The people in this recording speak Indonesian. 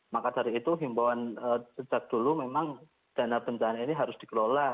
maka dari itu himbauan sejak dulu memang dana bencana ini harus dikelola